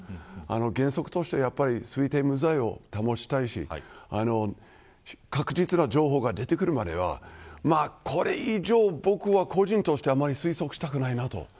原則として、推定無罪を保ちたいし確実な情報が出てくるまではこれ以上、僕は個人として推測したくないなと。